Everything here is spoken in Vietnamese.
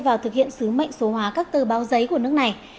vào thực hiện sứ mệnh số hóa các tờ báo giấy của nước này